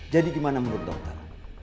jadi gimana menurut dokter